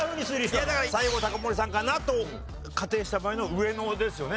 いやだから西郷隆盛さんかなと仮定した場合の上野ですよね？